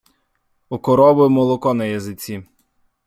У корови молоко на язиці.